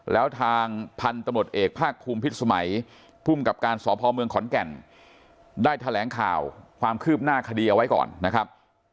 แล้วทางพันธุ์ตำรวจเอกภาคภูมิพิษสมัยภูมิกับการสพเมืองขอนแก่นได้แถลงข่าวความคืบหน้าคดีเอาไว้ก่อนนะครับ